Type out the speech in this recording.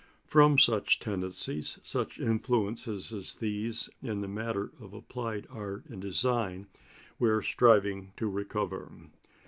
From such tendencies, such influences as these, in the matter of applied art and design, we are striving to recover.